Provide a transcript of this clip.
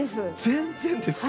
全然ですか？